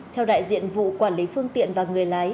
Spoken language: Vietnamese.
theo đại diện vụ quản lý phương tiện và người lái